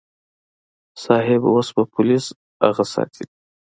صيب اوس به پوليس اغه ساتي.